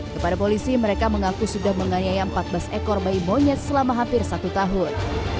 kepada polisi mereka mengaku sudah menganyai empat belas ekor bayi monyet selama hampir satu tahun